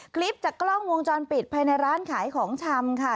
คลิปจากกล้องวงจรปิดภายในร้านขายของชำค่ะ